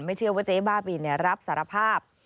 เชื่อว่าเจ๊บ้าบินรับสารภาพ